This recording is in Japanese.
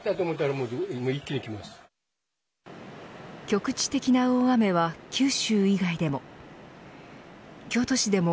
局地的な大雨は九州以外でも。